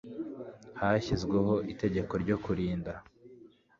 hashyizweho itegeko ryo kurinda